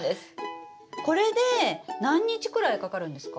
これで何日くらいかかるんですか？